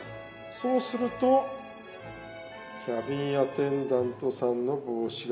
そうするとキャビンアテンダントさんの帽子型が出来ちゃうんです。